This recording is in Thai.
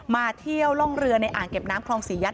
มาเที่ยวร่องเรือในอ่างเก็บน้ำคลองศรียัต